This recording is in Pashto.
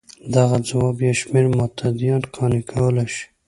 دغه ځواب یو شمېر متدینان قانع کولای شي.